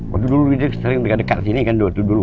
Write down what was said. waktu dulu dia sering dekat sini kan waktu dulu